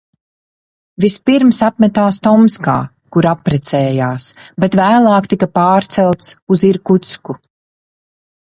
Vispirms apmetās Tomskā, kur apprecējās, bet vēlāk tika pārcelts uz Irkutsku.